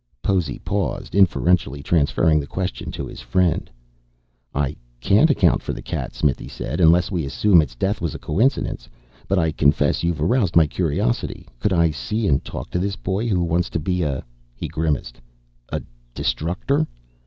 '" Possy paused, inferentially transferring the question to his friend. "I can't account for the cat," Smithy said. "Unless we assume its death was a coincidence. But I confess you've aroused my curiosity. Could I see and talk to this boy who wants to be a " he grimaced "a Destructor?"